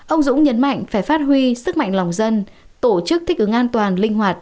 ông dũng nhấn mạnh phải phát huy sức mạnh lòng dân tổ chức thích ứng an toàn linh hoạt